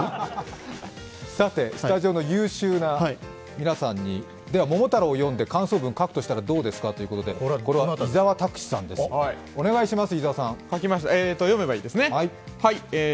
さてスタジオの優秀な皆さんに「ももたろう」を読んでどんな感想文を書くとしたらどうですかということで、伊沢拓司さんです、お願いします。